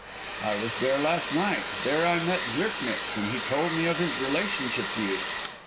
"I was there last night. There I met Zirknitz, and he told me of his relationship to you.